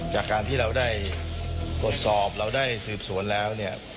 จากการที่เราได้ตรวจสอบเราได้สืบสวนแล้วเนี่ย